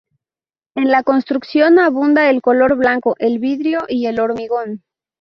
En la construcción abunda el color blanco, el vidrio y el hormigón.